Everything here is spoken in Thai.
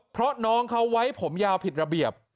เพราะน้องเขาไว้ผมยาวผิดระเบียบ